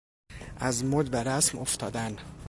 از مد و رسم افتادن